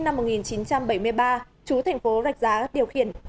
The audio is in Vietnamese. năm một nghìn chín trăm bảy mươi ba chú thành phố rạch giá điều khiển